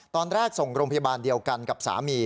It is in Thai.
ตอนแรกส่งโรงพยาบาลเดียวกันกับสามี